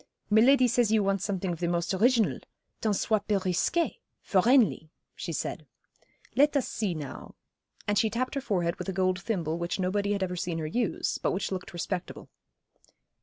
'Miladi says you want something of the most original tant soit peu risqué for 'Enley,' she said. 'Let us see now,' and she tapped her forehead with a gold thimble which nobody had ever seen her use, but which looked respectable.